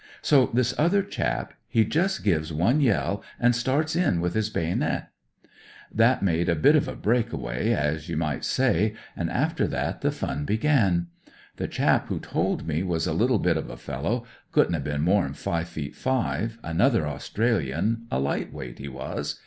So this other chap, he just gives L AUSTRALIAN AS A FIGHTER 137 one yell an' starts in with his baynit. That made a bit of a break away, as ye might say, an' after that the fun began. The chap who told me was a little bit of a fellow; couldn't ha' been more'n five feet five, another Australian, a light weight, he was.